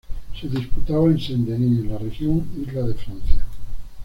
Se disputaba en Saint-Denis, en la región Isla de Francia.